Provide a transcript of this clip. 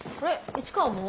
市川も。